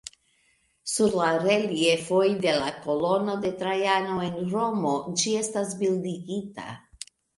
Sur la reliefoj de la Kolono de Trajano en Romo ĝi estas bildigita.